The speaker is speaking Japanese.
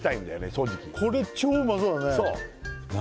正直これ超うまそうだね！